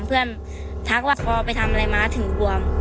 เพื่อนทักว่าพอไปทำอะไรมาถึงบวม